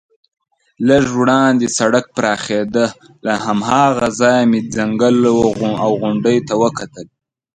لږ وړاندې سړک پراخېده، له هماغه ځایه مې ځنګل او غونډۍ ته وکتل.